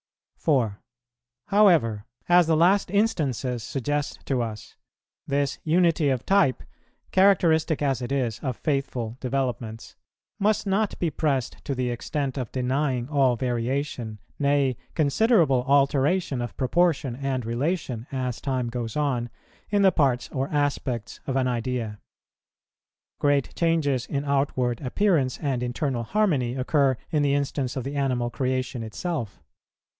4. However, as the last instances suggest to us, this unity of type, characteristic as it is of faithful developments, must not be pressed to the extent of denying all variation, nay, considerable alteration of proportion and relation, as time goes on, in the parts or aspects of an idea. Great changes in outward appearance and internal harmony occur in the instance of the animal creation itself.